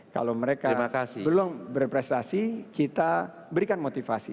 kalau mereka belum berprestasi kita berikan motivasi